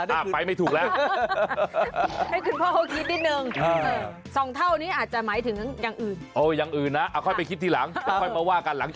ได้คืนอ่าไปไม่ถูกแล้ว